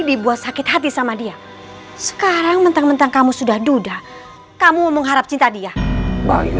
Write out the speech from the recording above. dibuat sakit hati sama dia sekarang mentang mentang kamu sudah duda kamu mengharap cinta dia bahwa itu